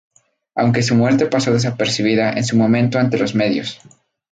Aunque su muerte paso desapercibida en su momento ante los medios.